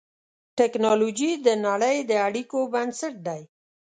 ټکنالوجي د نړۍ د اړیکو بنسټ دی.